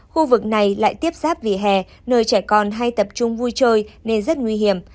khu vực này lại tiếp giáp về hè nơi trẻ con hay tập trung vui chơi nên rất nguy hiểm